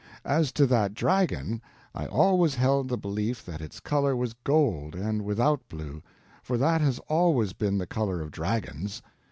As to that dragon, I always held the belief that its color was gold and without blue, for that has always been the color of dragons.